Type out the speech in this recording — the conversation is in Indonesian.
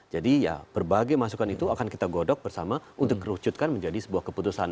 jadi ya berbagai masukan itu akan kita godok bersama untuk menurutkan menjadi sebuah keputusan